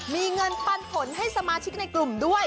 มีเงินปันผลให้สมาชิกในกลุ่มด้วย